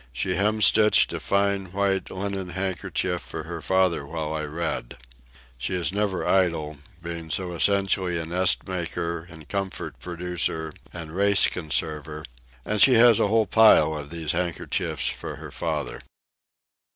She hemstitched a fine white linen handkerchief for her father while I read. (She is never idle, being so essentially a nest maker and comfort producer and race conserver; and she has a whole pile of these handkerchiefs for her father.)